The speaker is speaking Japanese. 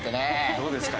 どうですか？